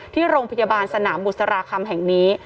ที่โรงพยาบาลสนามบุษราคำแห่งนี้